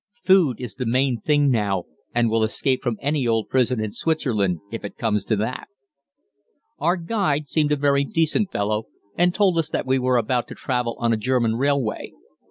"Food is the main thing now, and we'll escape from any old prison in Switzerland, if it comes to that." Our "guide" seemed a very decent fellow, and told us that we were about to travel on a German railway.